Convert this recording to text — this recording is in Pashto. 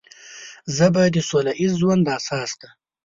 ژبه د سوله ییز ژوند اساس ده